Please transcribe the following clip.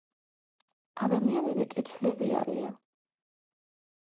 ადამიანები კეთილები არიან